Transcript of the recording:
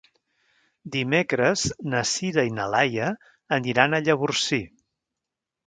Dimecres na Sira i na Laia aniran a Llavorsí.